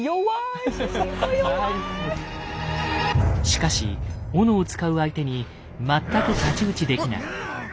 しかし斧を使う相手に全く太刀打ちできない。